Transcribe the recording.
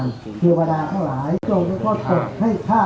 นี่ก็จับนี่